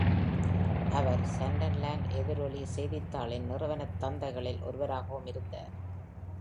அவர், "Sunderland எதிரொலி" செய்தித்தாளின் நிறுவனத் தந்தைகளில் ஒருவராகவும் இருந்தார்.